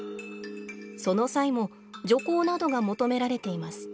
その際も徐行などが求められています。